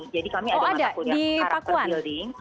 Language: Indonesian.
jadi kami ada mata kuliah karakter building